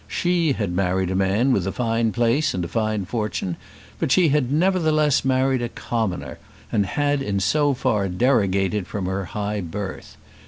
She had married a man with a fine place and a fine fortune; but she had nevertheless married a commoner and had in so far derogated from her high birth.